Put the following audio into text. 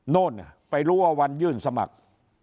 โน่นไปรู้ว่าวันยื่นสมัคร